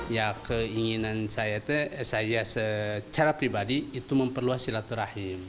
ya keinginan saya secara pribadi itu memperluas silaturahim